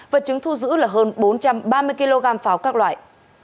vật chứng thu giữ là hơn bốn trăm ba mươi kg pháo các loại